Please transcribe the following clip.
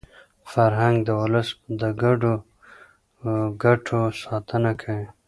فرهنګ د ولس د ګډو ګټو ساتنه کوي.